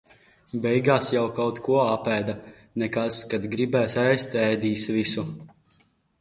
Beigās jau kaut ko apēda. Nekas, kad gribēs ēst, ēdis visu.